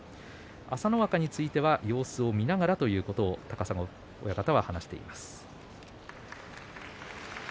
朝乃若については様子を見ながらということを高砂親方は話しています。